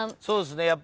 そうですね。